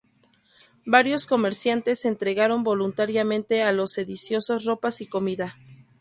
Varios comerciantes entregaron voluntariamente a los sediciosos ropas y comida.